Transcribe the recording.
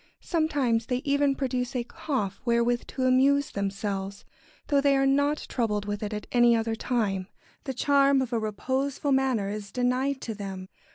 Sometimes they even produce a cough wherewith to amuse themselves, though they are not troubled with it at any other time. The charm of a reposeful manner is denied to them.